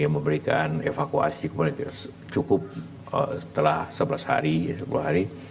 memberikan evakuasi cukup setelah sebelas hari sepuluh hari